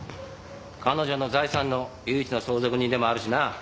彼女の財産の唯一の相続人でもあるしな。